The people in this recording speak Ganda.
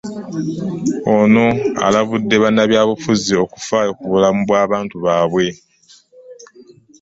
Ono alabudde bannabyabufuzi okufaayo ku bulamu bw’abantu baabwe